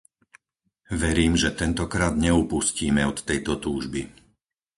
Verím, že tentokrát neupustíme od tejto túžby.